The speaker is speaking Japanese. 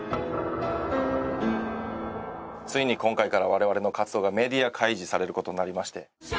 ついに今回から我々の活動がメディア開示される事になりまして。